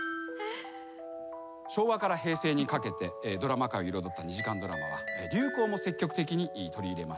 昭和から平成にかけてドラマ界を彩った２時間ドラマは流行も積極的に取り入れました。